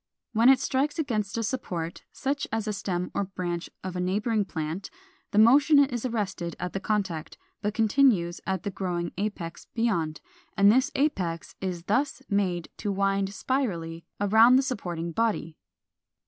When it strikes against a support, such as a stem or branch of a neighboring plant, the motion is arrested at the contact, but continues at the growing apex beyond, and this apex is thus made to wind spirally around the supporting body.